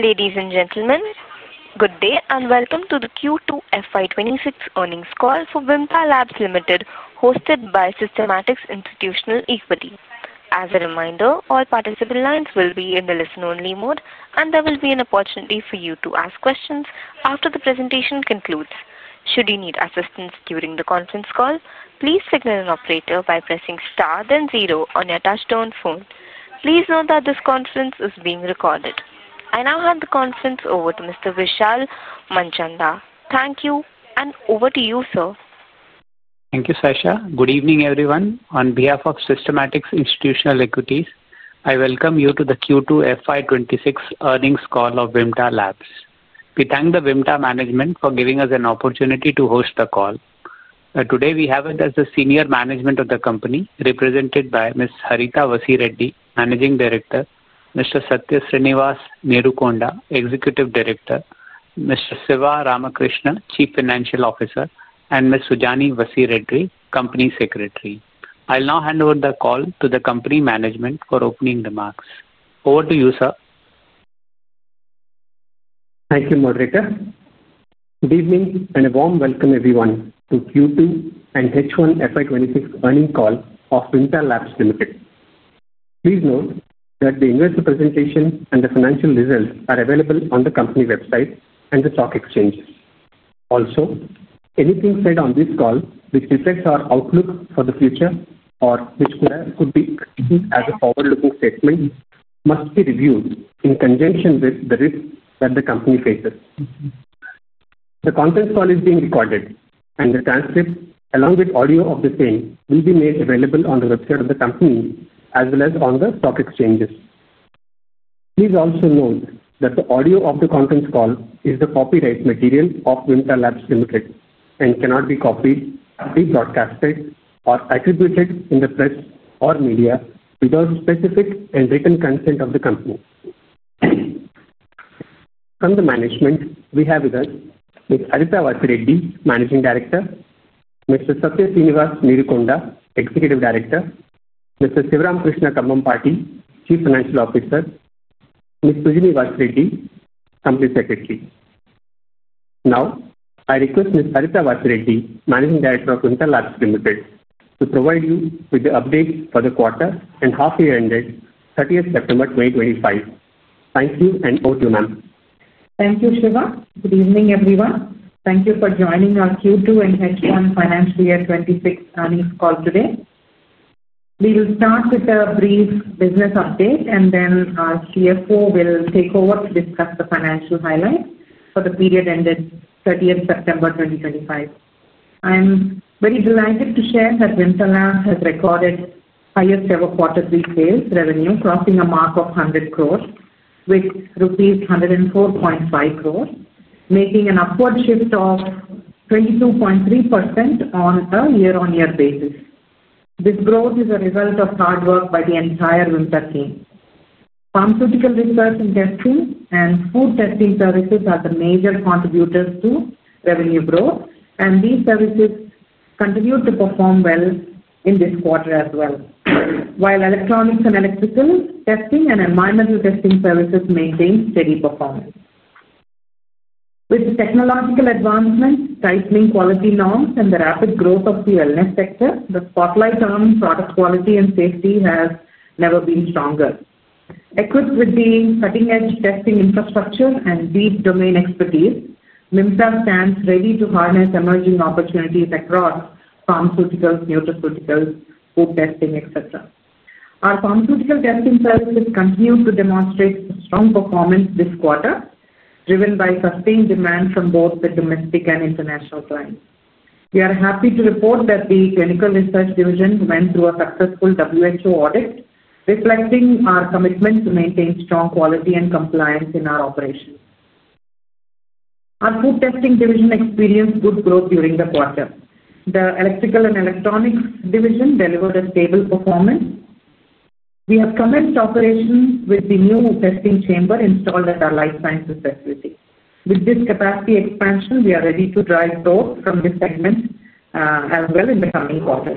Ladies and gentlemen, good day and welcome to the Q2 FY 2026 earnings call for Vimta Labs Limited, hosted by Systematix Institutional Equities. As a reminder, all participant lines will be in the listen-only mode, and there will be an opportunity for you to ask questions after the presentation concludes. Should you need assistance during the conference call, please signal an operator by pressing star, then zero on your touch-tone phone. Please note that this conference is being recorded. I now hand the conference over to Mr. Vishal Manchanda. Thank you, and over to you, sir. Thank you, Sashant. Good evening, everyone. On behalf of Systematix Institutional Equities, I welcome you to the Q2 FY 2026 earnings call of Vimta Labs. We thank the Vimta management for giving us an opportunity to host the call. Today, we have with us the senior management of the company, represented by Ms. Harita Vasireddi, Managing Director; Mr. Satya Sreenivas Neerukonda, Executive Director; Mr. Siva Rama Krishna, Chief Financial Officer; and Ms. Sujani Vasireddi, Company Secretary. I'll now hand over the call to the company management for opening remarks. Over to you, sir. Thank you, Moderator. Good evening and a warm welcome, everyone, to Q2 and H1 FY 2026 earnings call of Vimta Labs Limited. Please note that the investor presentation and the financial results are available on the company website and the stock exchanges. Also, anything said on this call, which reflects our outlook for the future or which could be used as a forward-looking statement, must be reviewed in conjunction with the risks that the company faces. The conference call is being recorded, and the transcript, along with audio of the same, will be made available on the website of the company as well as on the stock exchanges. Please also note that the audio of the conference call is the copyright material of Vimta Labs Limited and cannot be copied, rebroadcasted, or attributed in the press or media without specific and written consent of the company. From the management, we have with us Ms. Harita Vasireddi, Managing Director; Mr. Satya Sreenivas Neerukonda, Executive Director; Mr. Siva Rama Krishna Kambhampati, Chief Financial Officer; Ms. Sujani Vasireddi, Company Secretary. Now, I request Ms. Harita Vasireddi, Managing Director of Vimta Labs Limited, to provide you with the updates for the quarter and half-year end date: 30th September 2025. Thank you, and over to you, ma'am. Thank you, Siva. Good evening, everyone. Thank you for joining our Q2 and H1 financial year 2026 earnings call today. We will start with a brief business update, and then our CFO will take over to discuss the financial highlights for the period end date: 30 September 2025. I'm very delighted to share that Vimta Labs has recorded highest-ever quarterly sales revenue, crossing a mark of 100 crore, with rupees 104.5 crore, making an upward shift of 22.3% on a year-on-year basis. This growth is a result of hard work by the entire Vimta team. Pharmaceutical research and testing and food testing services are the major contributors to revenue growth, and these services continue to perform well in this quarter as well, while electronics and electrical testing and environment testing services maintain steady performance. With technological advancements, tightening quality norms, and the rapid growth of the wellness sector, the spotlight on product quality and safety has never been stronger. Equipped with cutting-edge testing infrastructure and deep domain expertise, Vimta stands ready to harness emerging opportunities across pharmaceuticals, nutraceuticals, food testing, etc. Our pharmaceutical testing services continue to demonstrate strong performance this quarter, driven by sustained demand from both the domestic and international clients. We are happy to report that the clinical research division went through a successful WHO audit, reflecting our commitment to maintain strong quality and compliance in our operations. Our food testing division experienced good growth during the quarter. The electrical and electronics division delivered a stable performance. We have commenced operations with the new testing chamber installed at our life sciences facility. With this capacity expansion, we are ready to drive growth from this segment as well in the coming quarter.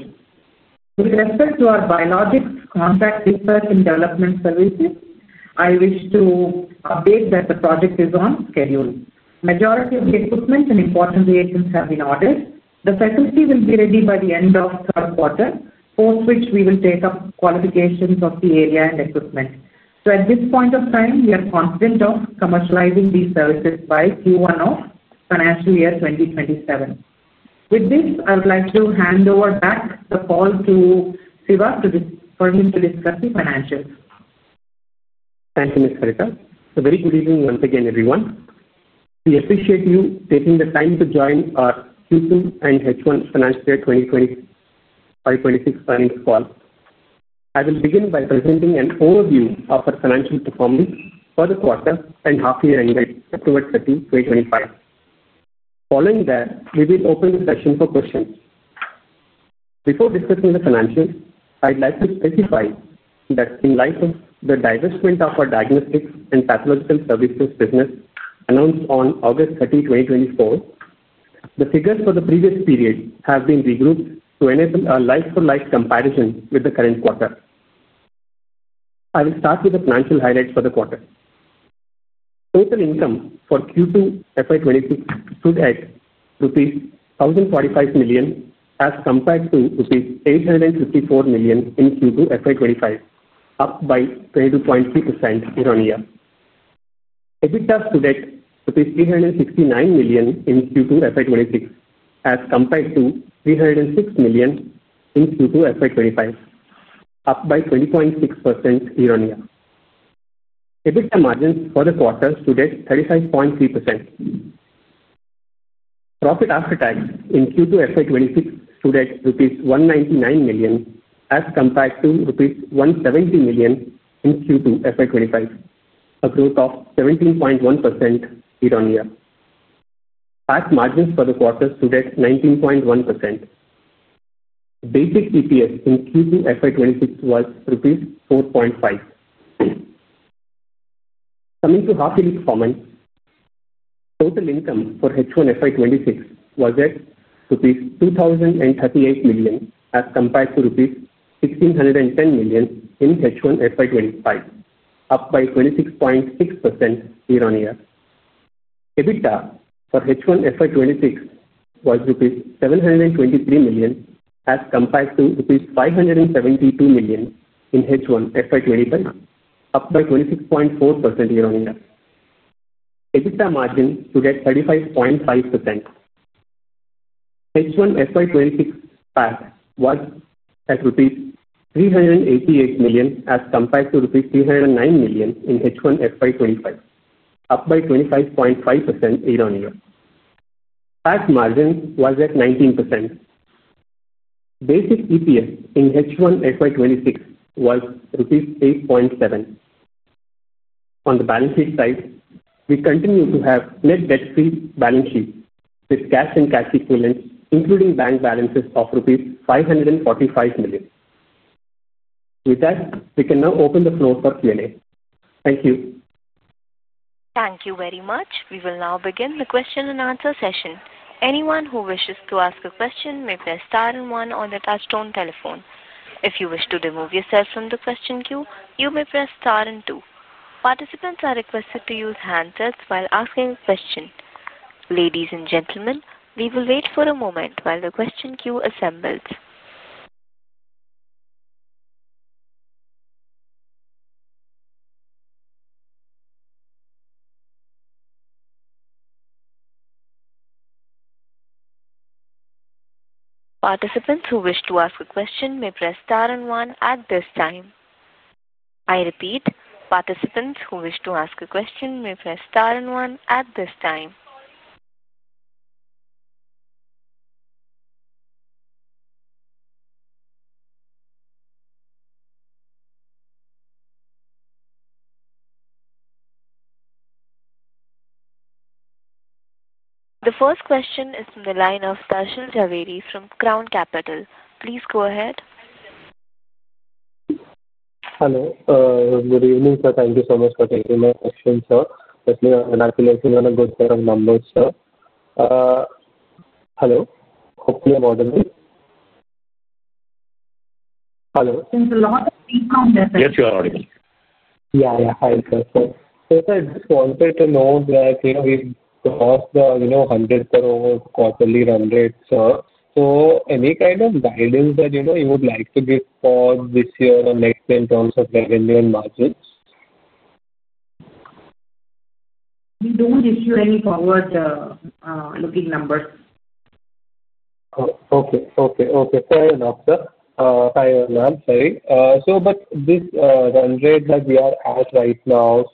With respect to our biologics contract research and development services, I wish to update that the project is on schedule. The majority of the equipment and important reagents have been ordered. The facility will be ready by the end of the third quarter, post which we will take up qualifications of the area and equipment. At this point of time, we are confident of commercializing these services by Q1 of financial year 2027. With this, I would like to hand over back the call to Siva for him to discuss the financials. Thank you, Ms. Harita. A very good evening once again, everyone. We appreciate you taking the time to join our Q2 and H1 financial year 2025-2026 earnings call. I will begin by presenting an overview of our financial performance for the quarter and half-year end date: September 30, 2025. Following that, we will open the session for questions. Before discussing the financials, I'd like to specify that in light of the divestment of our diagnostics and pathological services business announced on August 30, 2024, the figures for the previous period have been regrouped to enable a like-for-like comparison with the current quarter. I will start with the financial highlights for the quarter. Total income for Q2 FY 2026 stood at rupees 1,045 million as compared to rupees 854 million in Q2 FY 2025, up by 22.3% year-on-year. EBITDA stood at 369 million in Q2 FY 2026 as compared to 306 million in Q2 FY 2025, up by 20.6% year-on-year. EBITDA margins for the quarter stood at 35.3%. Profit after tax in Q2 FY 2026 stood at rupees 199 million as compared to rupees 170 million in Q2 FY 2025, a growth of 17.1% year-on-year. PAT margins for the quarter stood at 19.1%. Basic EPS in Q2 FY 2026 was rupees 4.5. Coming to half-year performance. Total income for H1 FY 2026 was at rupees 2,038 million as compared to rupees 1,610 million in H1 FY 2025, up by 26.6% year-on-year. EBITDA for H1 FY 2026 was rupees 723 million as compared to rupees 572 million in H1 FY 2025, up by 26.4% year-on-year. EBITDA margin stood at 35.5%. H1 FY 2026 PAT was at rupees 388 million as compared to rupees 309 million in H1 FY 2025, up by 25.5% year-on-year. PAT margin was at 19%. Basic EPS in H1 FY 2026 was rupees 8.7. On the balance sheet side, we continue to have net debt-free balance sheets with cash and cash equivalents, including bank balances of rupees 545 million. With that, we can now open the floor for Q&A. Thank you. Thank you very much. We will now begin the question-and-answer session. Anyone who wishes to ask a question may press star and one on the touch-tone telephone. If you wish to remove yourself from the question queue, you may press star and two. Participants are requested to use handsets while asking a question. Ladies and gentlemen, we will wait for a moment while the question queue assembles. Participants who wish to ask a question may press star and one at this time. I repeat, participants who wish to ask a question may press star and one at this time. The first question is from the line of Darshil Jhaveri from Crown Capital. Please go ahead. Hello. Good evening, sir. Thank you so much for taking my question, sir. Actually, I am calculating on a good set of numbers, sir. Hello. Hopefully, I am audible. Hello? There's a lot of speakers on there, sir. Yes, you are audible. Yeah, yeah. Hi, sir. Sir, I just wanted to know that, you know, we have crossed the, you know, 1,000,000,000 quarterly run rate, sir. Any kind of guidance that, you know, you would like to give for this year and next year in terms of revenue and margins? We do not issue any forward-looking numbers. Oh, okay. Okay. Sorry about that. Hi, everyone. I'm sorry. This run rate that we are at right now,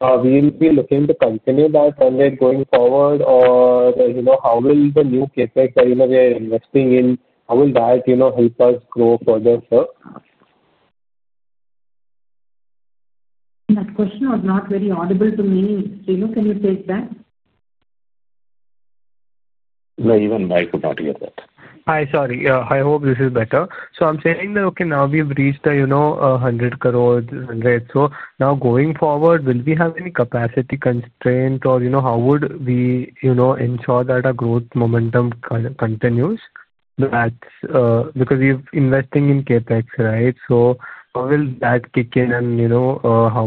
will we be looking to continue that run rate going forward, or, you know, how will the new CapEx that we are investing in, how will that help us grow further, sir? That question was not very audible to me. Sreenu, can you take that? No, even I could not hear that. Hi, sorry. I hope this is better. I'm saying that, okay, now we've reached the, you know, 100 crore run rate. Now, going forward, will we have any capacity constraint, or, you know, how would we, you know, ensure that our growth momentum continues? That's because we're investing in CapEx, right? How will that kick in, and, you know,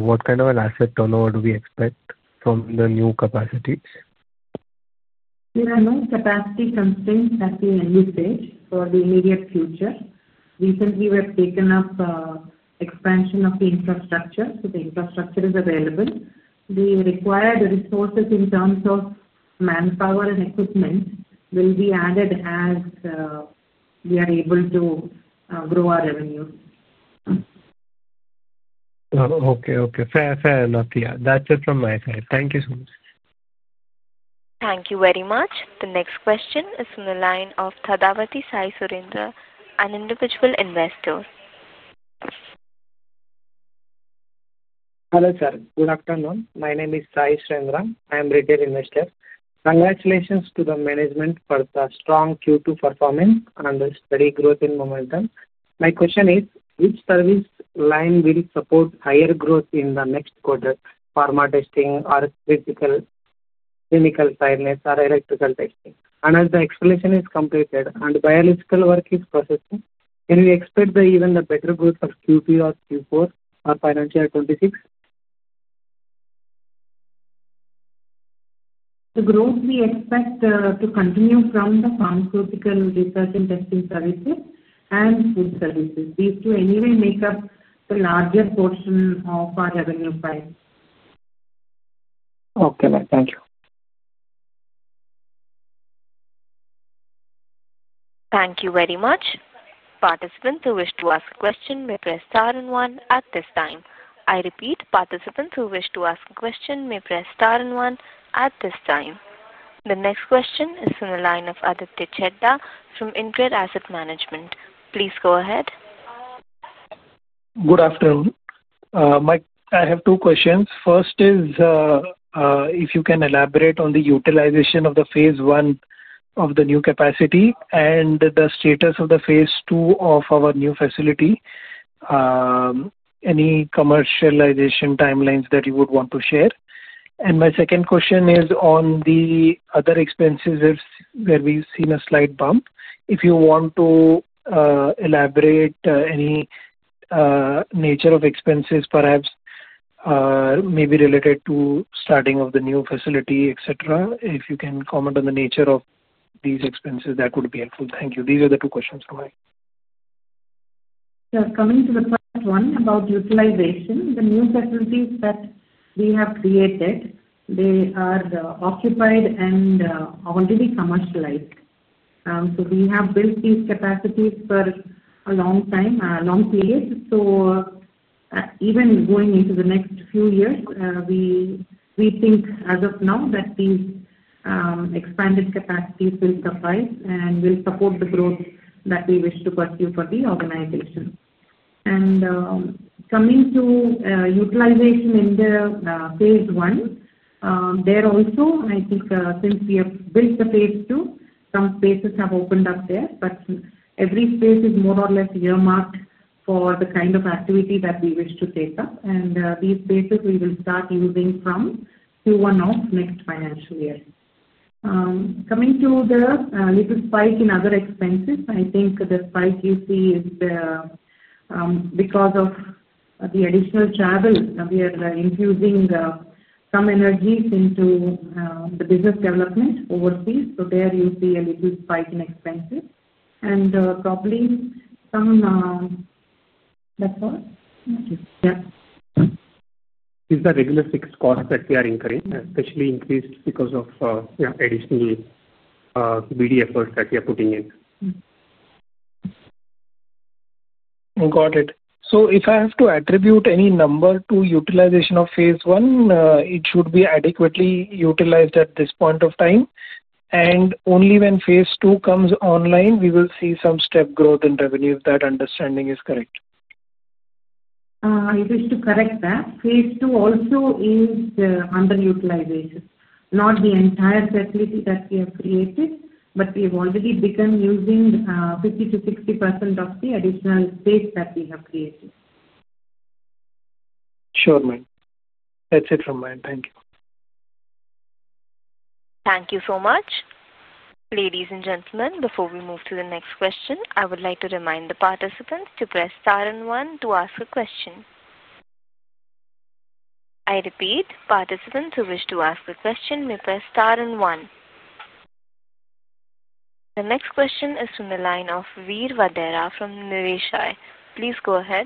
what kind of an asset turnover do we expect from the new capacity? There are no capacity constraints at the end of stage for the immediate future. Recently, we have taken up expansion of the infrastructure, so the infrastructure is available. The required resources in terms of manpower and equipment will be added as we are able to grow our revenues. Oh, okay. Okay. Fair, fair enough, yeah. That's it from my side. Thank you so much. Thank you very much. The next question is from the line of Sai Surendra, an individual investor. Hello, sir. Good afternoon. My name is Sai Surendra. I am a retail investor. Congratulations to the management for the strong Q2 performance and the steady growth in momentum. My question is, which service line will support higher growth in the next quarter? Pharma testing, or critical clinical fairness, or electrical testing. As the explanation is completed and biological work is processing, can we expect even the better growth of Q2 or Q4 or financial year 2026? The growth we expect, to continue from the pharmaceutical research and testing services and food services. These two anyway make up the larger portion of our revenue pipe. Okay, ma'am. Thank you. Thank you very much. Participants who wish to ask a question may press star and one at this time. I repeat, participants who wish to ask a question may press star and one at this time. The next question is from the line of Aditya Chheda, from InCred Asset Management. Please go ahead. Good afternoon. Mike, I have two questions. First is, if you can elaborate on the utilization of the phase I of the new capacity and the status of the phase II of our new facility. Any commercialization timelines that you would want to share? My second question is on the other expenses where we've seen a slight bump. If you want to elaborate, any nature of expenses, perhaps, maybe related to starting of the new facility, etc., if you can comment on the nature of these expenses, that would be helpful. Thank you. These are the two questions from Mike. Sir, coming to the first one about utilization, the new facilities that we have created, they are occupied and already commercialized. We have built these capacities for a long time, a long period. Even going into the next few years, we think as of now that these expanded capacities will suffice and will support the growth that we wish to pursue for the organization. Coming to utilization in the phase I, there also, I think, since we have built the phase II, some spaces have opened up there, but every space is more or less earmarked for the kind of activity that we wish to take up. These spaces we will start using from Q1 of next financial year. Coming to the little spike in other expenses, I think the spike you see is because of the additional travel. We are infusing some energies into the business development overseas. There you see a little spike in expenses. Probably some, that's all? Thank you. Yeah. Is that regular fixed cost that we are incurring, especially increased because of, you know, additional BD efforts that we are putting in? Got it. If I have to attribute any number to utilization of phase I, it should be adequately utilized at this point of time. Only when phase II comes online, we will see some step growth in revenue. If that understanding is correct. I wish to correct that. Phase II also is underutilization, not the entire facility that we have created, but we have already begun using 50%-60% of the additional space that we have created. Sure, ma'am. That's it from mine. Thank you. Thank you so much. Ladies and gentlemen, before we move to the next question, I would like to remind the participants to press star and one to ask a question. I repeat, participants who wish to ask a question may press star and one. The next question is from the line of Veer Vadera from Niveshaay. Please go ahead.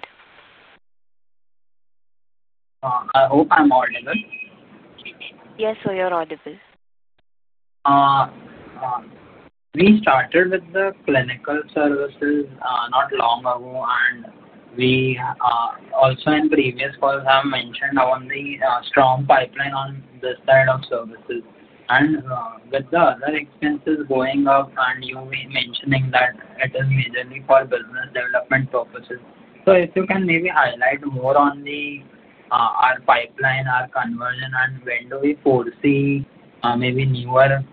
I hope I'm audible. Yes, sir, you're audible. We started with the clinical services not long ago, and we, also in previous calls, I have mentioned our only strong pipeline on this side of services. With the other expenses going up and you were mentioning that it is majorly for business development purposes. If you can maybe highlight more on our pipeline, our conversion, and when do we foresee maybe newer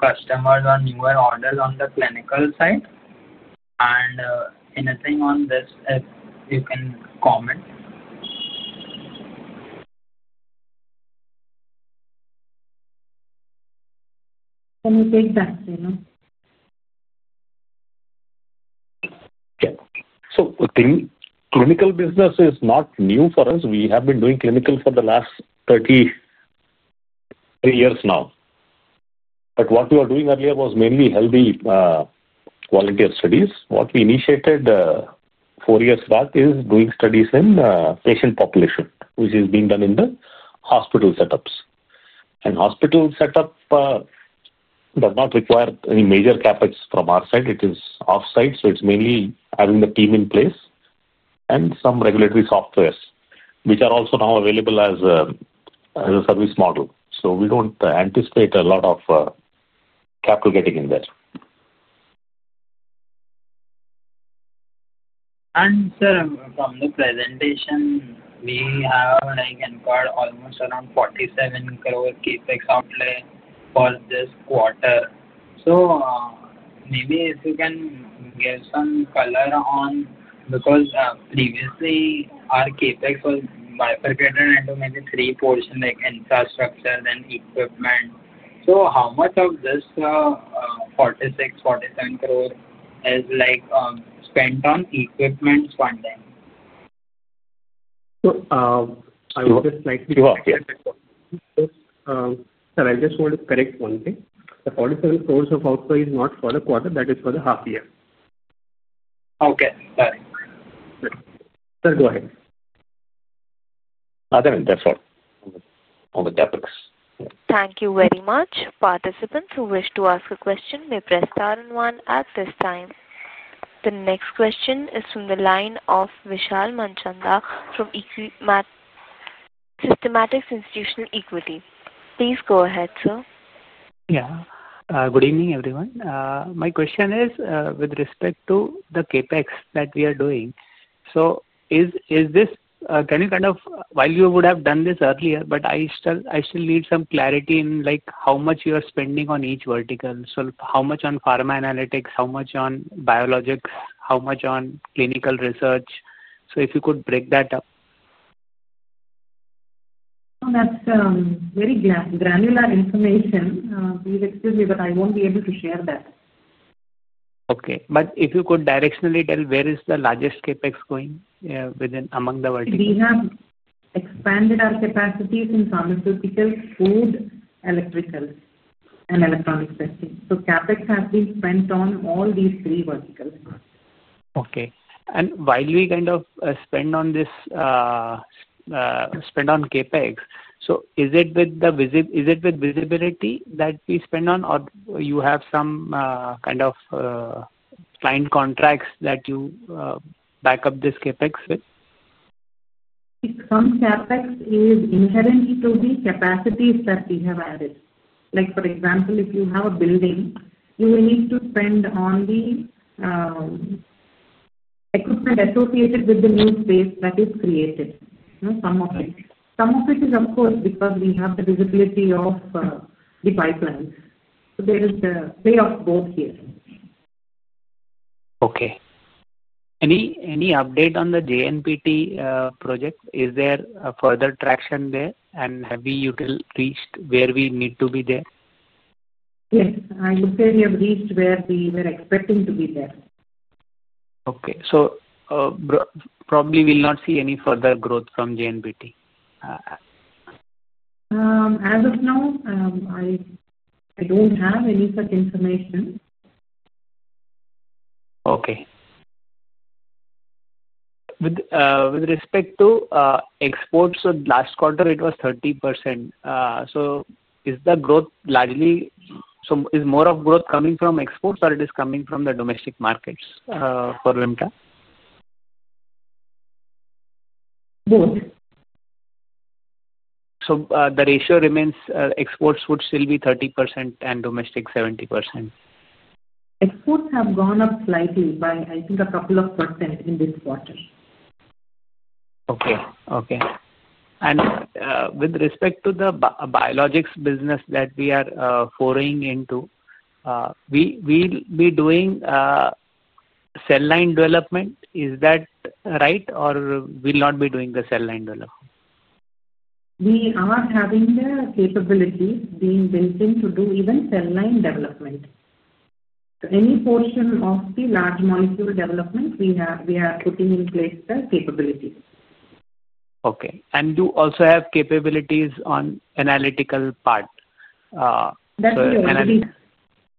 customers or newer orders on the clinical side? Anything on this if you can comment. Can you take that, Sreenu? Yeah. So, clinical business is not new for us. We have been doing clinical for the last 33 years now. What we were doing earlier was mainly healthy volunteer studies. What we initiated four years back is doing studies in patient population, which is being done in the hospital setups. And hospital setup does not require any major CapEx from our side. It is off-site, so it's mainly having the team in place and some regulatory software, which are also now available as a service model. We do not anticipate a lot of capital getting in there. Sir, from the presentation, we have, like, in part, almost around 47 crore CapEx outlay for this quarter. Maybe if you can give some color on, because previously, our CapEx was bifurcated into maybe three portions, like infrastructure and equipment. How much of this 46-47 crore is, like, spent on equipment funding? I would just like to. You are. Just, sir, I just want to correct one thing. The 47 crore of outlay is not for the quarter. That is for the half year. Okay. Sorry. Sir, go ahead. Other than that, that's all. On the CapEx. Thank you very much. Participants who wish to ask a question may press star and one at this time. The next question is from the line of Vishal Manchanda from Systematix Institutional Equities. Please go ahead, sir. Yeah. Good evening, everyone. My question is, with respect to the CapEx that we are doing. Is this, can you kind of, while you would have done this earlier, but I still, I still need some clarity in, like, how much you are spending on each vertical. How much on pharma analytics, how much on biologics, how much on clinical research? If you could break that up. Oh, that's very granular information. Please excuse me, but I won't be able to share that. Okay. If you could directionally tell where is the largest CapEx going, within among the verticals? We have expanded our capacities in pharmaceutical, food, electrical, and electronics testing. CapEx has been spent on all these three verticals. Okay. And while we kind of spend on this, spend on CapEx, is it with the visibility that we spend on, or you have some kind of client contracts that you back up this CapEx with? Some CapEx is inherent to the capacities that we have added. Like, for example, if you have a building, you will need to spend on the equipment associated with the new space that is created, you know, some of it. Some of it is, of course, because we have the visibility of the pipelines. There is a play of both here. Okay. Any, any update on the JNPT project? Is there further traction there, and have we still reached where we need to be there? Yes. I would say we have reached where we were expecting to be there. Okay. So, bro probably will not see any further growth from JNPT? As of now, I don't have any such information. Okay. With respect to exports, last quarter it was 30%. Is the growth largely, is more of the growth coming from exports, or is it coming from the domestic markets, for Vimta? Both. So, the ratio remains, exports would still be 30% and domestic 70%? Exports have gone up slightly by, I think, a couple of percent in this quarter. Okay. Okay. With respect to the biologics business that we are foraying into, we, we'll be doing cell line development. Is that right, or will we not be doing the cell line development? We are having the capability being built in to do even cell line development. So any portion of the large molecule development, we have, we are putting in place the capability. Okay. You also have capabilities on analytical part? Analytical. That we already have.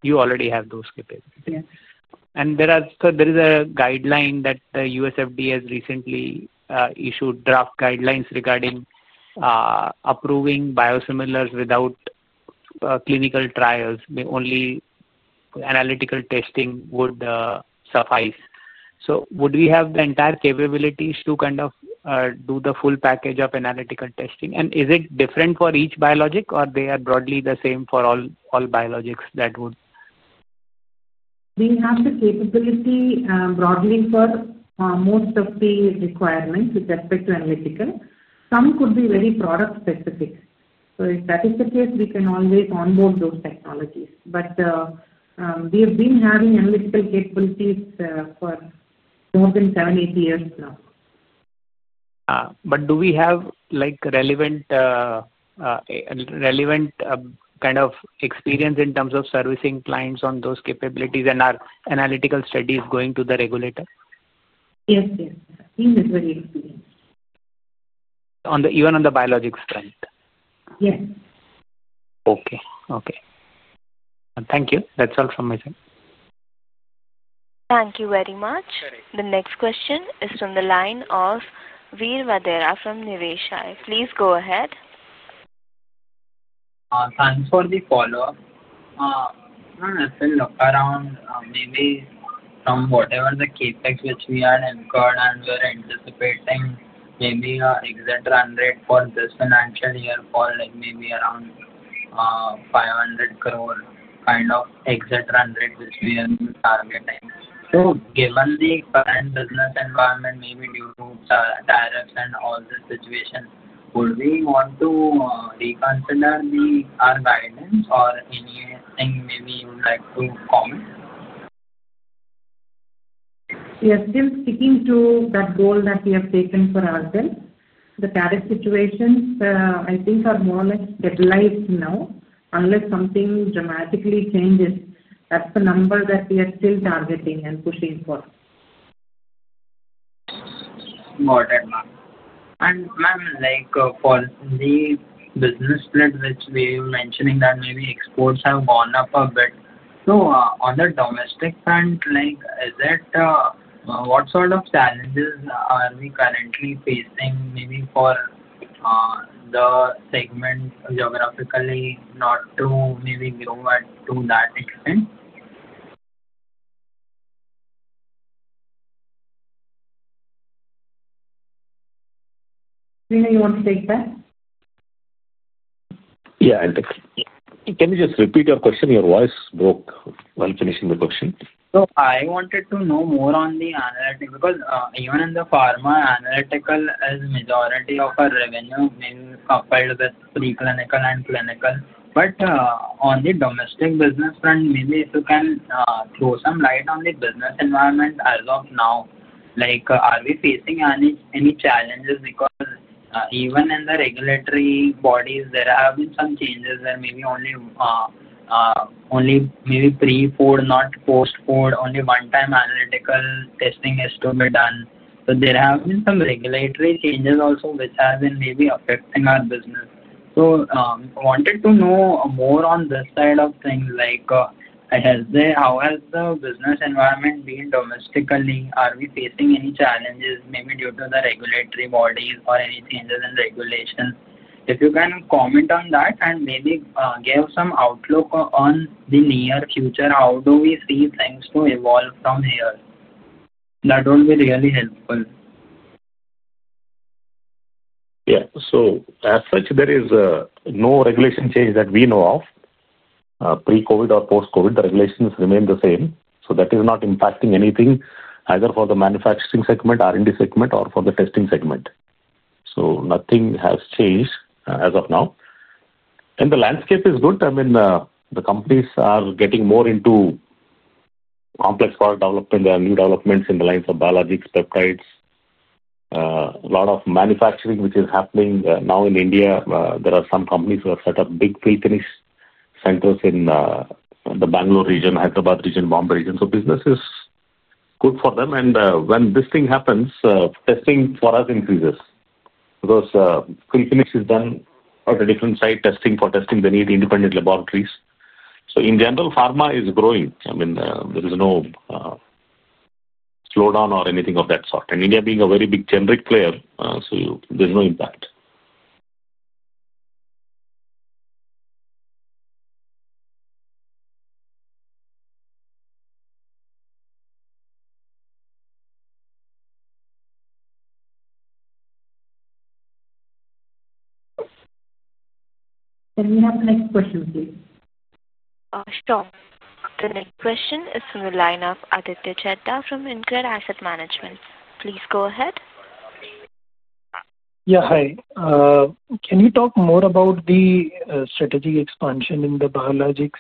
You already have those capabilities? Yes. There is a guideline that the U.S. FDA has recently issued, draft guidelines regarding approving biosimilars without clinical trials. The only analytical testing would suffice. Would we have the entire capabilities to kind of do the full package of analytical testing? And is it different for each biologic, or are they broadly the same for all biologics that would? We have the capability, broadly for, most of the requirements with respect to analytical. Some could be very product-specific. If that is the case, we can always onboard those technologies. We have been having analytical capabilities for more than seven, eight years now. Do we have, like, relevant kind of experience in terms of servicing clients on those capabilities, and are our analytical studies going to the regulator? Yes, yes. He is very experienced. On the, even on the biologic strength? Yes. Okay. Okay. Thank you. That's all from my side. Thank you very much. The next question is from the line of Veer Vadera from Niveshaay. Please go ahead. Thanks for the follow-up. I'm gonna still look around, maybe from whatever the CapEx which we are incurred and we're anticipating, maybe an exit run rate for this financial year for, like, maybe around 500 crore kind of exit run rate which we are targeting. Given the current business environment, maybe due to tariffs and all this situation, would we want to reconsider our guidance or anything maybe you would like to comment? We are still sticking to that goal that we have taken for ourselves. The tariff situations, I think, are more or less stabilized now. Unless something dramatically changes, that's the number that we are still targeting and pushing for. Got it, ma'am. And, ma'am, like, for the business split which we were mentioning that maybe exports have gone up a bit, on the domestic front, like, is it, what sort of challenges are we currently facing maybe for the segment geographically not to maybe grow at to that extent? Sreenu, you want to take that? Yeah. Can you just repeat your question? Your voice broke while finishing the question. I wanted to know more on the analytics because, even in the pharma, analytical is majority of our revenue being coupled with preclinical and clinical. On the domestic business front, maybe if you can throw some light on the business environment as of now. Are we facing any challenges because, even in the regulatory bodies, there have been some changes where maybe only, maybe pre-food, not post-food, only one-time analytical testing is to be done. There have been some regulatory changes also which have been maybe affecting our business. I wanted to know more on this side of things. How has the business environment been domestically? Are we facing any challenges maybe due to the regulatory bodies or any changes in regulation? If you can comment on that and maybe give some outlook on the near future, how do we see things to evolve from here. That would be really helpful. Yeah. As such, there is no regulation change that we know of. Pre-COVID or post-COVID, the regulations remain the same. That is not impacting anything either for the manufacturing segment, R&D segment, or for the testing segment. Nothing has changed as of now. The landscape is good. I mean, the companies are getting more into complex product development. There are new developments in the lines of biologics, peptides, a lot of manufacturing which is happening now in India. There are some companies who have set up big facilities in the Bangalore region, Hyderabad region, Bombay region. Business is good for them. When this thing happens, testing for us increases because facilities are done at a different site. For testing, they need independent laboratories. In general, pharma is growing. I mean, there is no slowdown or anything of that sort. India being a very big generic player, there is no impact. Can we have the next question, please? Sure. The next question is from the line of Aditya Chheda from InCred Asset Management. Please go ahead. Yeah. Hi. Can you talk more about the strategic expansion in the biologics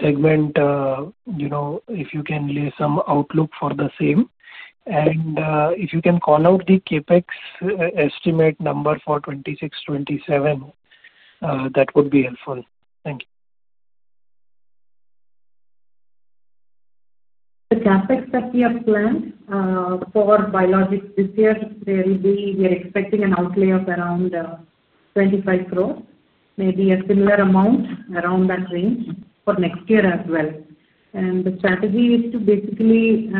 segment? You know, if you can leave some outlook for the same. Also, if you can call out the CapEx estimate number for 2026-2027, that would be helpful. Thank you. The CapEx that we have planned, for biologics this year, there will be, we are expecting an outlay of around 25 crore, maybe a similar amount around that range for next year as well. The strategy is to basically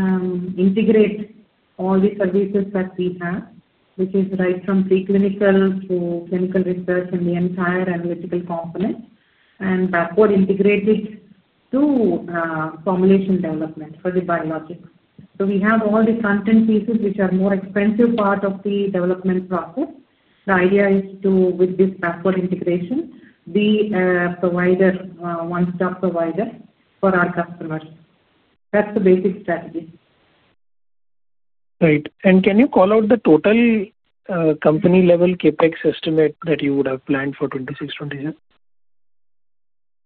integrate all the services that we have, which is right from preclinical to clinical research and the entire analytical component, and backward integrated to formulation development for the biologics. We have all the front-end pieces which are the more expensive part of the development process. The idea is to, with this backward integration, be provider, one-stop provider for our customers. That is the basic strategy. Great. Can you call out the total, company-level CapEx estimate that you would have planned for 2026, 2027?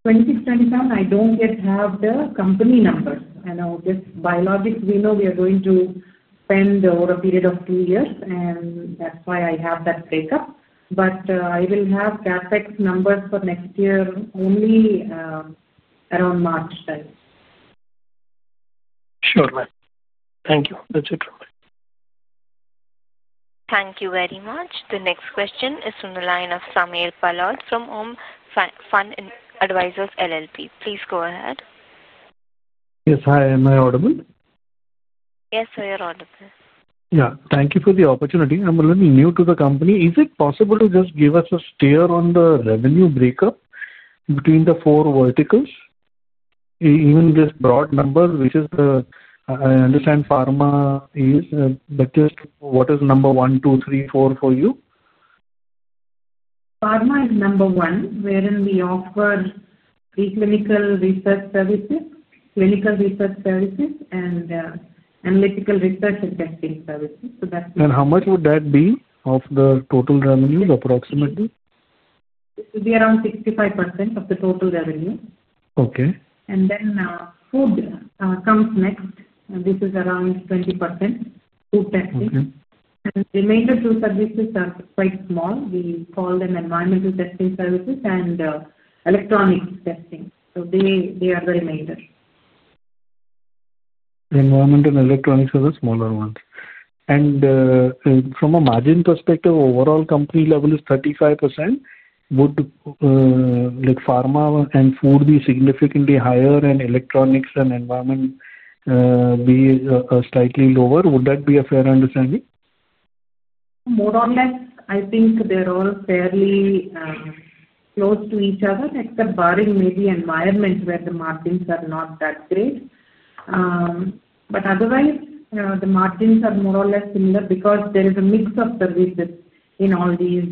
2026, 2027, I don't yet have the company numbers. Now, this biologics, we know we are going to spend over a period of two years, and that's why I have that breakup. I will have CapEx numbers for next year only, around March time. Sure. Thank you. That's it from me. Thank you very much. The next question is from the line of Samir Palod from AUM Fund Advisors LLP. Please go ahead. Yes. Hi. Am I audible? Yes, we are audible. Yeah. Thank you for the opportunity. I'm a little new to the company. Is it possible to just give us a steer on the revenue breakup between the four verticals? Even just broad numbers, which is the, I understand pharma is, but just what is number one, two, three, four for you? Pharma is number one, wherein we offer preclinical research services, clinical research services, and analytical research and testing services. So that's. How much would that be of the total revenue, approximately? It would be around 65% of the total revenue. Okay. Food comes next. This is around 20%, food testing. Okay. The remainder two services are quite small. We call them environment testing services and electronics testing. They are the remainder. Environment and electronics are the smaller ones. From a margin perspective, overall company level is 35%. Would, like, pharma and food be significantly higher and electronics and environment be slightly lower? Would that be a fair understanding? More or less, I think they're all fairly close to each other, except barring maybe environment where the margins are not that great. Otherwise, the margins are more or less similar because there is a mix of services in all these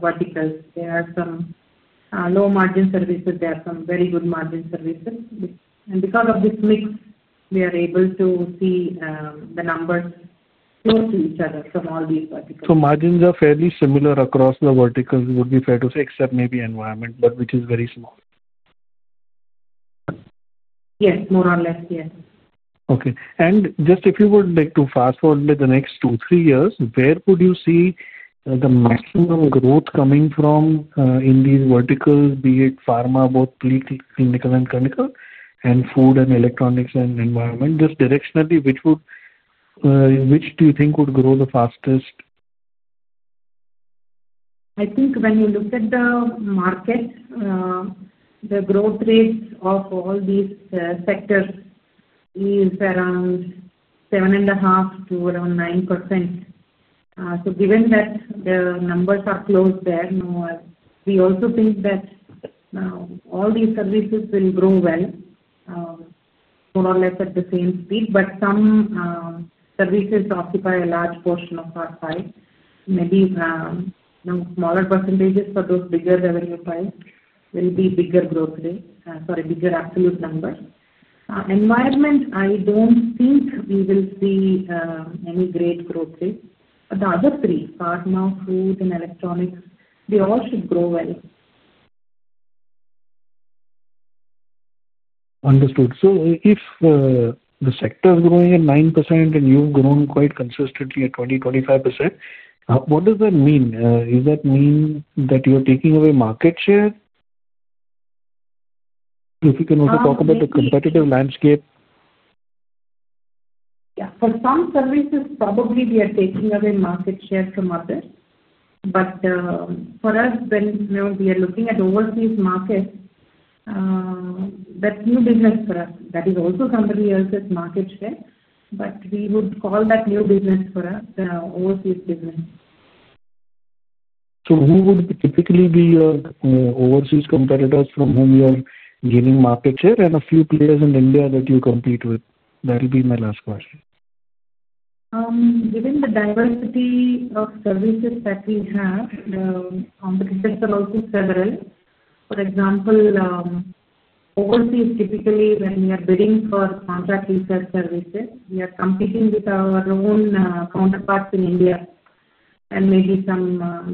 verticals. There are some low-margin services. There are some very good margin services. Because of this mix, we are able to see the numbers close to each other from all these verticals. Margins are fairly similar across the verticals, would be fair to say, except maybe environment, which is very small. Yes. More or less, yes. Okay. If you would like to fast-forward the next two, three years, where would you see the maximum growth coming from in these verticals, be it pharma, both preclinical and clinical, and food and electronics and environment? Just directionally, which do you think would grow the fastest? I think when you look at the market, the growth rates of all these sectors is around 7.5%-9%. Given that the numbers are close there, no, we also think that all these services will grow well, more or less at the same speed. Some services occupy a large portion of our pie. Maybe, you know, smaller percentages for those, bigger revenue pie will be bigger growth rate, sorry, bigger absolute numbers. Environment, I do not think we will see any great growth rate. The other three, pharma, food, and electronics, they all should grow well. Understood. If the sector's growing at 9% and you've grown quite consistently at 20%-25%, what does that mean? Does that mean that you're taking away market share? If you can also talk about the competitive landscape. Yeah. For some services, probably we are taking away market share from others. For us, when we are looking at overseas markets, that's new business for us. That is also somebody else's market share. We would call that new business for us, overseas business. Who would typically be your overseas competitors from whom you are gaining market share, and a few players in India that you compete with? That would be my last question. Given the diversity of services that we have, competitors are also several. For example, overseas, typically when we are bidding for contract research services, we are competing with our own counterparts in India, and maybe a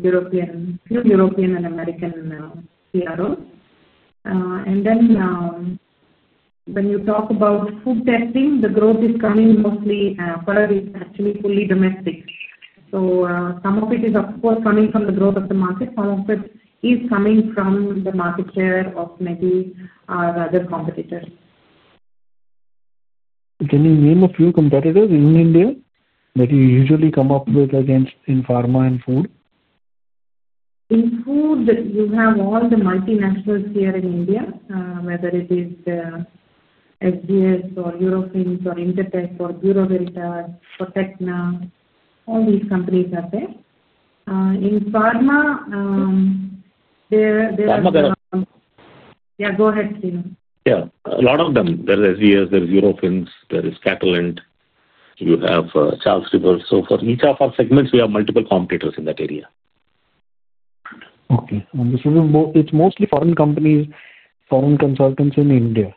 few European and American CROs. When you talk about food testing, the growth is coming mostly, actually fully, domestic. Some of it is, of course, coming from the growth of the market. Some of it is coming from the market share of maybe other competitors. Can you name a few competitors in India that you usually come up with against in pharma and food? In food, you have all the multinationals here in India, whether it is SGS or Eurofins or Intertek or Bureau Veritas or Tecna. All these companies are there. In pharma, they're, they're. Pharma there? Yeah. Go ahead, Sreenu. Yeah. A lot of them. There's SGS. There's Eurofins. There is Catalent. You have Charles River. For each of our segments, we have multiple competitors in that area. Okay. So this is a, um, it's mostly foreign companies, foreign consultants in India.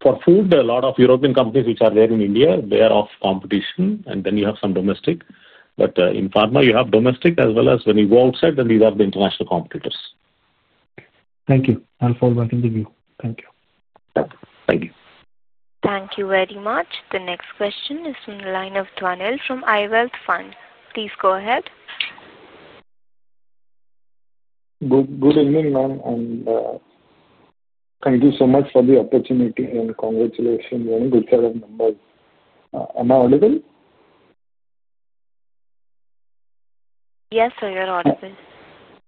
For food, a lot of European companies which are there in India, they are of competition. Then you have some domestic. In pharma, you have domestic as well as when you go outside, and these are the international competitors. Thank you. I'll fall back into view. Thank you. Thank you. Thank you very much. The next question is from the line of Dhwanil from I-Wealth Fund. Please go ahead. Good evening, ma'am. Thank you so much for the opportunity and congratulations on a good set of numbers. Am I audible? Yes, sir, you're audible.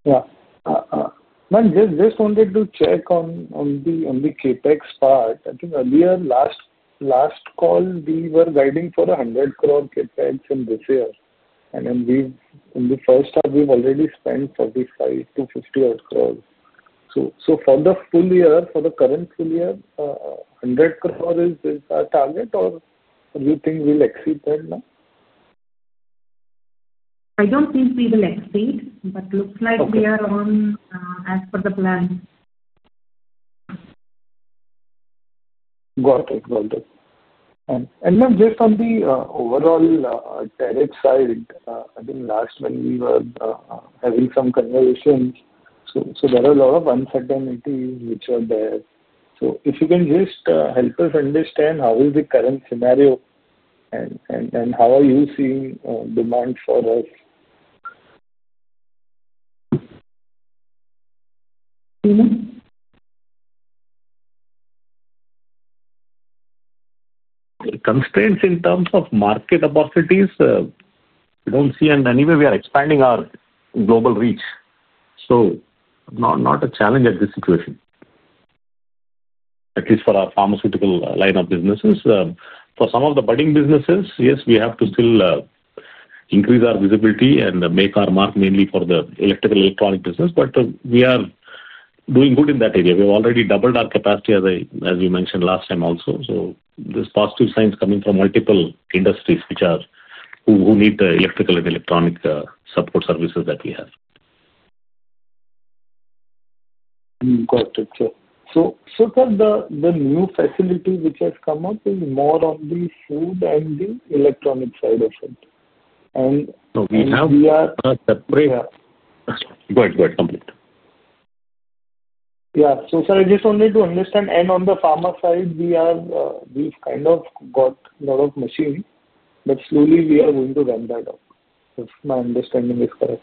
Yeah. Ma'am, just wanted to check on the CapEx part. I think earlier, last call, we were guiding for 100 crore CapEx in this year. Then in the first half, we've already spent 45-50 crore. For the current full year, 100 crore is our target, or do you think we'll exceed that now? I don't think we will exceed, but looks like we are on, as per the plan. Got it. And ma'am, just on the overall tariff side, I think last when we were having some conversations, there are a lot of uncertainties which are there. If you can just help us understand how is the current scenario and how are you seeing demand for us? You know? Constraints in terms of market opportunities, we do not see any. Anyway, we are expanding our global reach. Not a challenge at this situation, at least for our pharmaceutical line of businesses. For some of the budding businesses, yes, we have to still increase our visibility and make our mark mainly for the electrical, electronic business. We are doing good in that area. We have already doubled our capacity, as you mentioned last time also. There are positive signs coming from multiple industries who need electrical and electronic support services that we have. Got it. Sir, the new facility which has come up is more on the food and the electronic side of it. We have, separate. Yeah. Go ahead. Go ahead. Complete. Yeah. Sir, I just wanted to understand. On the pharma side, we have, we've kind of got a lot of machines, but slowly we are going to run that out. That's my understanding as well.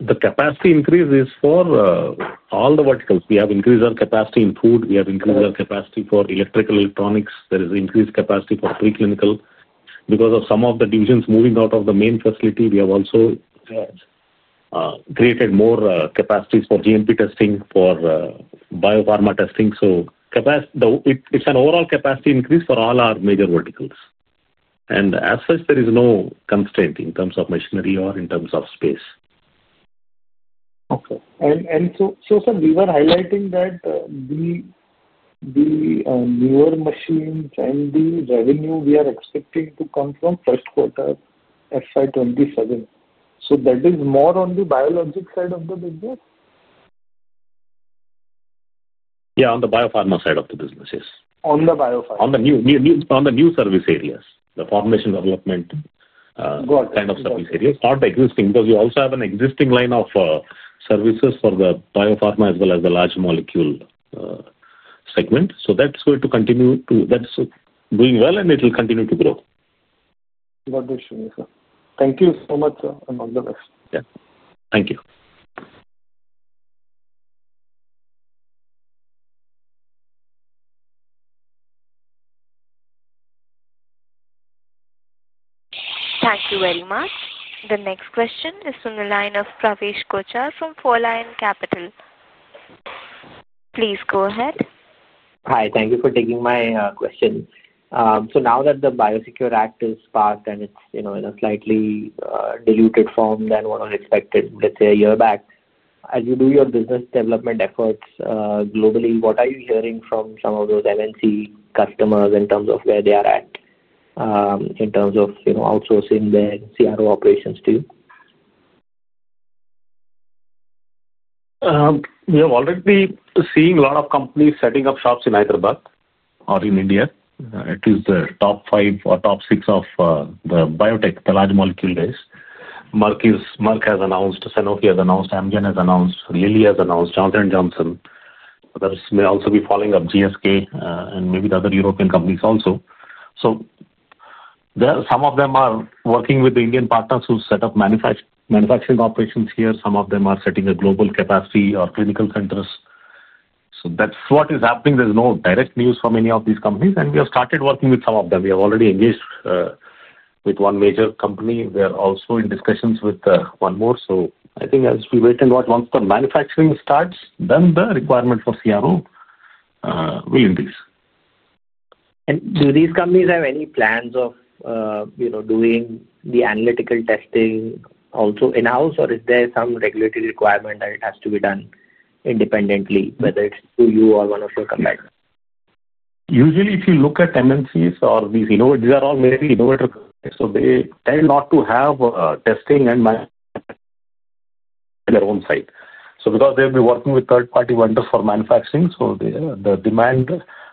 The capacity increase is for all the verticals. We have increased our capacity in food. We have increased our capacity for electrical, electronics. There is increased capacity for preclinical. Because of some of the divisions moving out of the main facility, we have also created more capacities for GMP testing, for bio-pharma testing. It is an overall capacity increase for all our major verticals. As such, there is no constraint in terms of machinery or in terms of space. Okay. And, sir, we were highlighting that the newer machines and the revenue we are expecting to come from first quarter, FY 2027. That is more on the biologic side of the business? Yeah. On the bio-pharma side of the business, yes. On the bio-pharma. On the new service areas, the formulation development, kind of service areas. Got it. Not existing because we also have an existing line of services for the bio-pharma as well as the large molecule segment. That is going to continue to, that is doing well, and it will continue to grow. Good, good, Sreenu, sir. Thank you so much, sir, and all the best. Yeah. Thank you. Thank you very much. The next question is from the line of Pravesh Kochar from FourLion Capital. Please go ahead. Hi. Thank you for taking my question. So now that the BIOSECURE Act is passed and it's, you know, in a slightly diluted form than what was expected, let's say, a year back, as you do your business development efforts globally, what are you hearing from some of those MNC customers in terms of where they are at, in terms of, you know, outsourcing their CRO operations to you? We have already seen a lot of companies setting up shops in Hyderabad or in India, at least the top five or top six of the biotech, the large molecule days. Merck has announced, Sanofi has announced, Amgen has announced, Lilly has announced, Johnson & Johnson. Others may also be following up, GSK, and maybe the other European companies also. There are some of them working with the Indian partners who set up manufacturing operations here. Some of them are setting up global capacity or clinical centers. That is what is happening. There is no direct news from any of these companies. We have started working with some of them. We have already engaged with one major company. We are also in discussions with one more. I think as we wait and watch, once the manufacturing starts, then the requirement for CRO will increase. Do these companies have any plans of, you know, doing the analytical testing also in-house, or is there some regulatory requirement that it has to be done independently, whether it's through you or one of your competitors? Usually, if you look at MNCs or these innovators, these are all very innovator companies. They tend not to have testing and manufacturing on their own site because they'll be working with third-party vendors for manufacturing, so the demand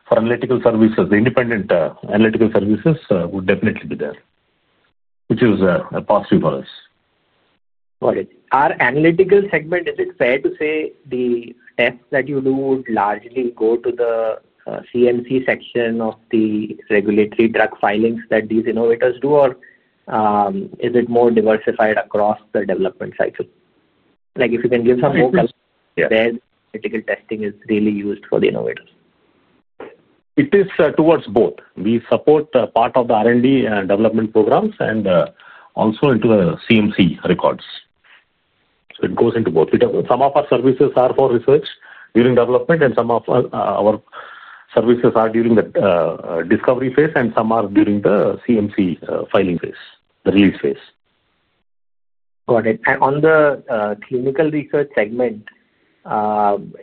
for analytical services, the independent analytical services, would definitely be there, which is a positive for us. Got it. Our analytical segment, is it fair to say the tests that you do would largely go to the CMC section of the regulatory drug filings that these innovators do, or is it more diversified across the development cycle? Like, if you can give some more context, where the analytical testing is really used for the innovators. It is, towards both. We support, part of the R&D, development programs and, also into the CMC records. So it goes into both. Some of our services are for research during development, and some of our services are during the discovery phase, and some are during the CMC, filing phase, the release phase. Got it. On the clinical research segment,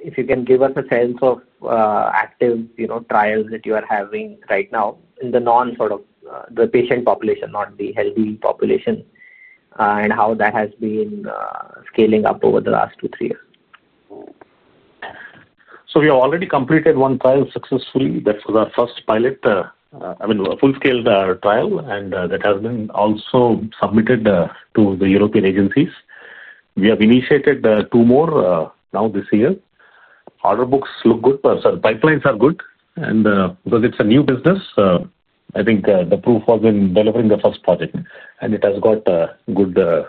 if you can give us a sense of active, you know, trials that you are having right now in the non, sort of, the patient population, not the healthy population, and how that has been scaling up over the last two, three years. We have already completed one trial successfully. That was our first pilot, I mean, a full-scale trial, and that has been also submitted to the European agencies. We have initiated two more now this year. Order books look good, so the pipelines are good. Because it is a new business, I think the proof was in delivering the first project. It has got good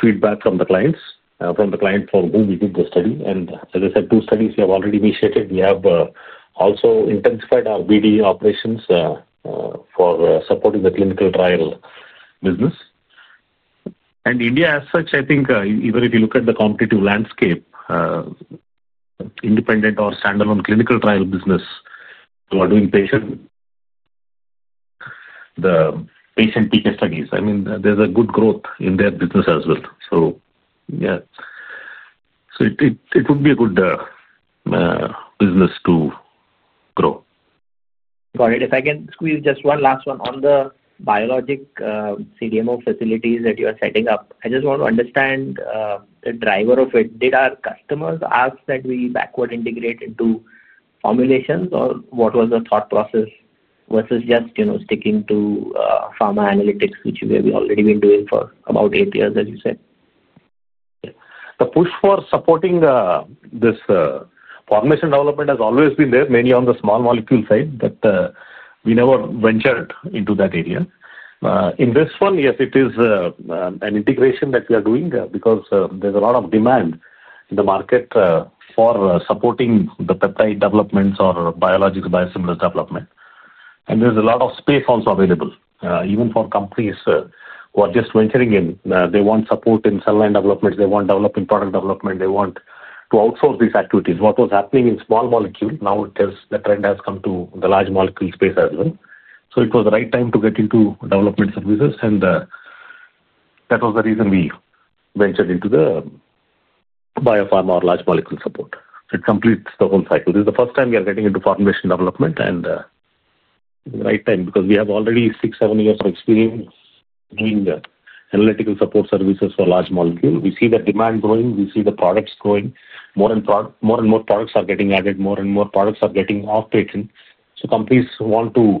feedback from the client for whom we did the study. As I said, two studies we have already initiated. We have also intensified our BD operations for supporting the clinical trial business. India, as such, I think, even if you look at the competitive landscape, independent or standalone clinical trial business, who are doing patient, the patient PK studies, I mean, there is a good growth in their business as well. Yeah, it would be a good business to grow. Got it. If I can squeeze just one last one on the biologic, CDMO facilities that you are setting up, I just want to understand, the driver of it. Did our customers ask that we backward integrate into formulations, or what was the thought process versus just, you know, sticking to pharma analytics, which we have already been doing for about eight years, as you said? The push for supporting this formulation development has always been there, mainly on the small molecule side. But we never ventured into that area. In this one, yes, it is an integration that we are doing, because there's a lot of demand in the market for supporting the peptide developments or biologic biosimilars development. And there's a lot of space also available, even for companies who are just venturing in. They want support in cell line development. They want developing product development. They want to outsource these activities. What was happening in small molecule, now it tells the trend has come to the large molecule space as well. It was the right time to get into development services. That was the reason we ventured into the bio-pharma or large molecule support. It completes the whole cycle. This is the first time we are getting into formulation development, and it's the right time because we have already six, seven years of experience doing analytical support services for large molecule. We see the demand growing. We see the products growing. More and more products are getting added. More and more products are getting outpatient. Companies want to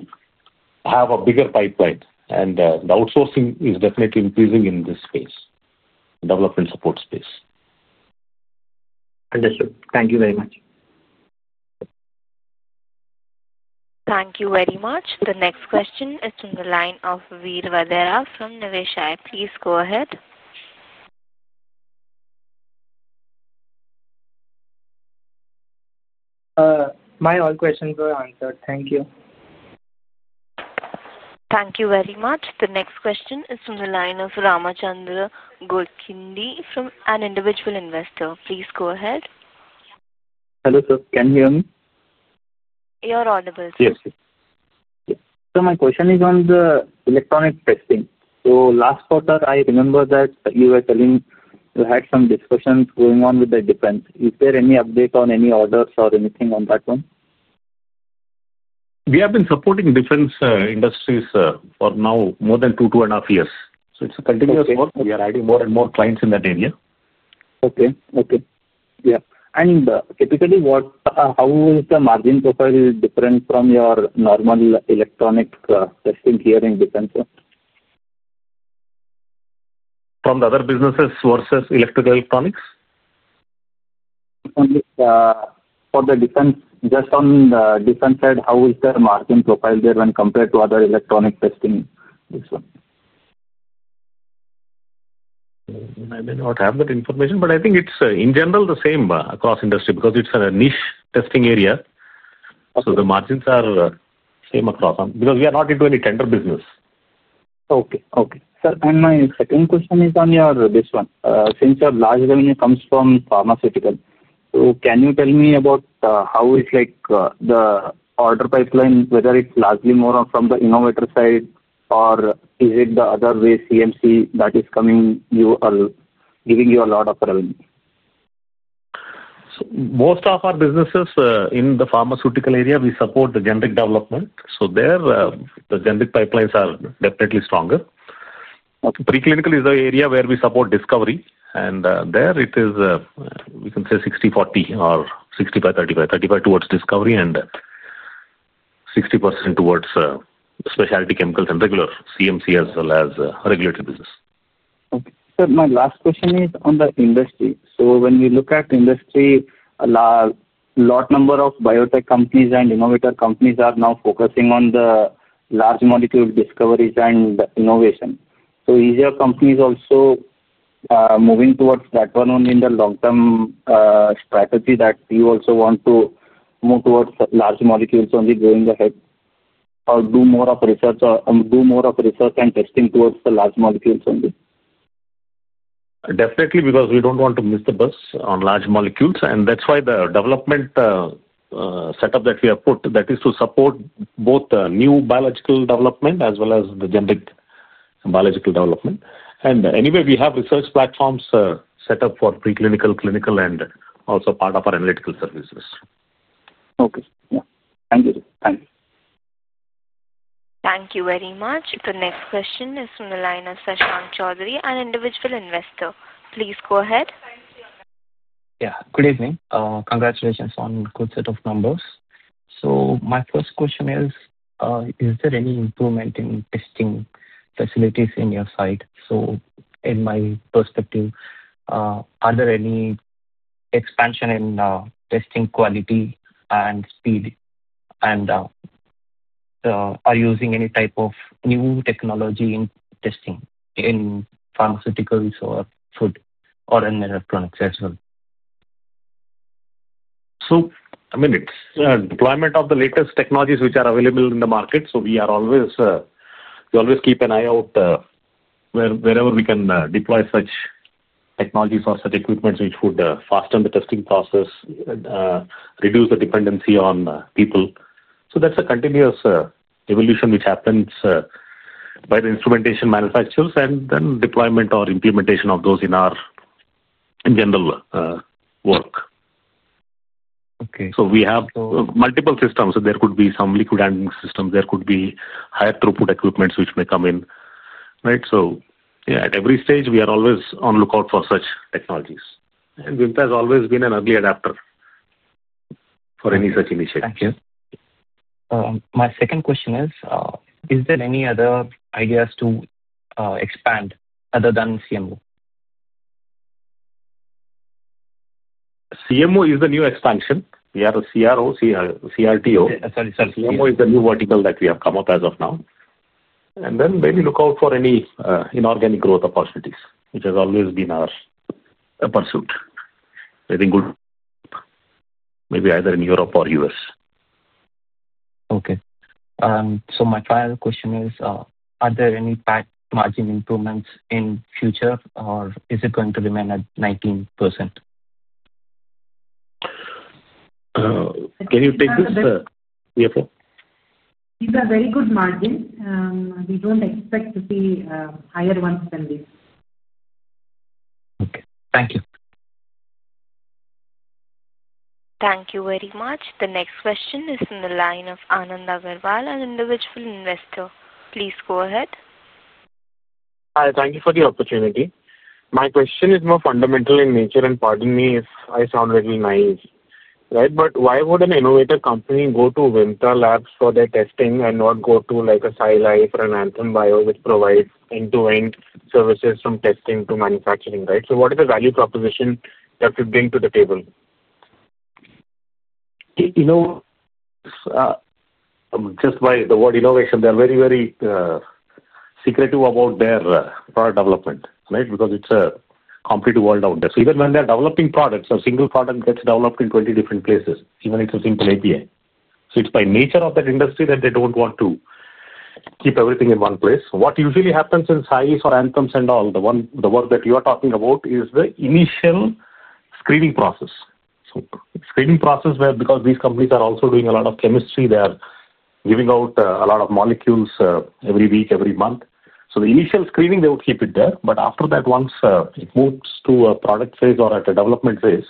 have a bigger pipeline. The outsourcing is definitely increasing in this space, development support space. Understood. Thank you very much. Thank you very much. The next question is from the line of Veer Vadera from Niveshaay. Please go ahead. My all questions were answered. Thank you. Thank you very much. The next question is from the line of Ramachandra Godkhindi from an individual investor. Please go ahead. Hello, sir. Can you hear me? You're audible. Yes, yes. Yes. My question is on the electronics testing. Last quarter, I remember that you were telling you had some discussions going on with the defense. Is there any update on any orders or anything on that one? We have been supporting defense industries for now more than two, two and a half years. It is a continuous work. We are adding more and more clients in that area. Okay. Okay. Yeah. Typically, what, how is the margin profile different from your normal electronics testing here in defense? From the other businesses versus electrical electronics? On the, for the defense, just on the defense side, how is the margin profile there when compared to other electronic testing, this one? I may not have that information, but I think it's, in general, the same across industry because it's a niche testing area. So the margins are the same across because we are not into any tender business. Okay. Okay. Sir, and my second question is on your this one. Since your large revenue comes from pharmaceutical, can you tell me about, how is, like, the order pipeline, whether it's largely more from the innovator side, or is it the other way, CMC, that is coming you are giving you a lot of revenue? Most of our businesses, in the pharmaceutical area, we support the generic development. There, the generic pipelines are definitely stronger. Preclinical is the area where we support discovery. There it is, we can say 60/40 or 65/35, 35% towards discovery and 60% towards specialty chemicals and regular CMC as well as regulatory business. Okay. Sir, my last question is on the industry. When we look at industry, a lot of biotech companies and innovator companies are now focusing on the large molecule discoveries and innovation. Is your company also moving towards that one only in the long-term strategy, that you also want to move towards large molecules only going ahead or do more of research and testing towards the large molecules only? Definitely, because we don't want to miss the bus on large molecules. That's why the development setup that we have put, that is to support both the new biological development as well as the generic biological development. Anyway, we have research platforms set up for preclinical, clinical, and also part of our analytical services. Okay. Yeah. Thank you, sir. Thank you. Thank you very much. The next question is from the line of Shashank Choudhary, an individual investor. Please go ahead. Yeah. Good evening. Congratulations on a good set of numbers. My first question is, is there any improvement in testing facilities on your side? In my perspective, are there any expansion in testing quality and speed, and are you using any type of new technology in testing in pharmaceuticals or food or in electronics as well? I mean, it's deployment of the latest technologies which are available in the market. We always keep an eye out, wherever we can, deploy such technologies or such equipment which would fasten the testing process, reduce the dependency on people. That's a continuous evolution which happens by the instrumentation manufacturers and then deployment or implementation of those in our general work. Okay. We have multiple systems. There could be some liquid and systems. There could be higher throughput equipments which may come in, right? Yeah, at every stage, we are always on the lookout for such technologies. Vimta has always been an early adapter for any such initiative. Thank you. My second question is, is there any other ideas to expand other than CMO? CMO is the new expansion. We are a CRO, CR, CDMO. Sorry, sorry. CMO is the new vertical that we have come up as of now. Then mainly look out for any inorganic growth opportunities, which has always been our pursuit. I think we'll maybe either in Europe or U.S. Okay. So my final question is, are there any PAT margin improvements in future, or is it going to remain at 19%? Can you take this, Harita? These are very good margins. We don't expect to see higher ones than this. Okay. Thank you. Thank you very much. The next question is from the line of Anand Agarwal, an individual investor. Please go ahead. Hi. Thank you for the opportunity. My question is more fundamental in nature, and pardon me if I sound a little naive, right? Why would an innovator company go to Vimta Labs for their testing and not go to, like, a SciLife or an Anthem Bio, which provides end-to-end services from testing to manufacturing, right? What is the value proposition that we bring to the table? You know, just by the word innovation, they are very, very secretive about their product development, right, because it's a complete world out there. Even when they are developing products, a single product gets developed in 20 different places, even if it's a simple API. It's by nature of that industry that they do not want to keep everything in one place. What usually happens in SciLife or Anthem Bio, the work that you are talking about is the initial screening process. Screening process where, because these companies are also doing a lot of chemistry, they are giving out a lot of molecules every week, every month. The initial screening, they will keep it there. After that, once it moves to a product phase or at a development phase,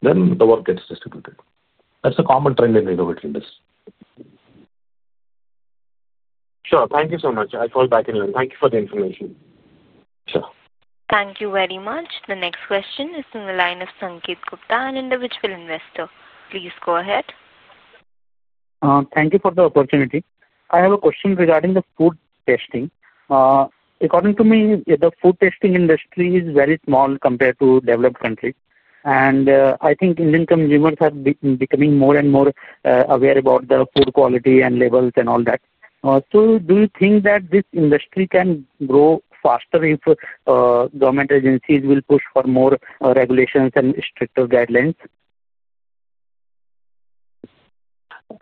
then the work gets distributed. That is a common trend in the innovator industry. Sure. Thank you so much. I'll call back in a little. Thank you for the information. Sure. Thank you very much. The next question is from the line of Sanket Gupta, an individual investor. Please go ahead. Thank you for the opportunity. I have a question regarding the food testing. According to me, the food testing industry is very small compared to developed countries. I think Indian consumers have been becoming more and more aware about the food quality and labels and all that. Do you think that this industry can grow faster if government agencies will push for more regulations and stricter guidelines?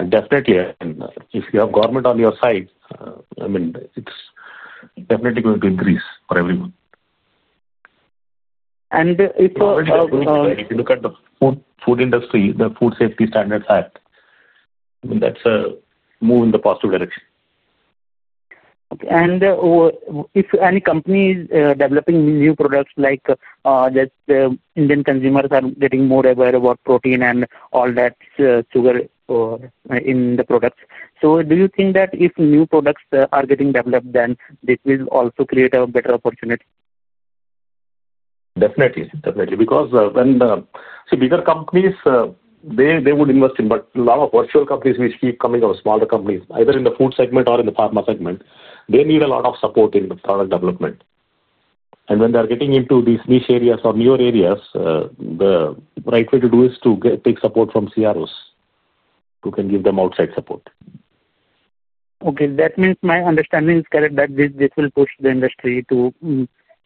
Definitely. If you have government on your side, I mean, it's definitely going to increase for everyone. If, if. If you look at the food, food industry, the Food Safety Standards Act, I mean, that's a move in the positive direction. Okay. If any company is developing new products like that, Indian consumers are getting more aware about protein and all that, sugar in the products, do you think that if new products are getting developed, then this will also create a better opportunity? Definitely. Definitely. Because, when, so bigger companies, they would invest in. A lot of virtual companies which keep coming are smaller companies, either in the food segment or in the pharma segment, they need a lot of support in the product development. When they are getting into these niche areas or newer areas, the right way to do is to get take support from CROs who can give them outside support. Okay. That means my understanding is correct that this will push the industry to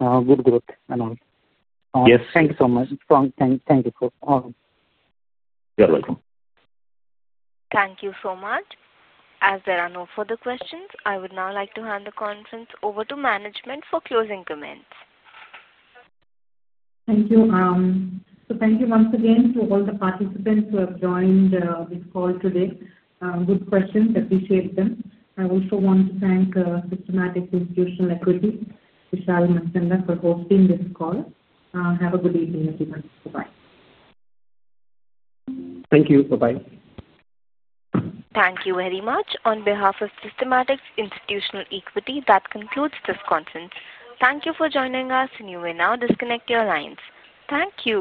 good growth and all. Yes. Thank you so much. Thank you for all. You're welcome. Thank you so much. As there are no further questions, I would now like to hand the conference over to management for closing comments. Thank you. So thank you once again to all the participants who have joined this call today. Good questions. Appreciate them. I also want to thank Systematix Institutional Equities, Vishal Manchanda, for hosting this call. Have a good evening, everyone. Bye-bye. Thank you. Bye-bye. Thank you very much. On behalf of Systematix Institutional Equities, that concludes this conference. Thank you for joining us, and you may now disconnect your lines. Thank you.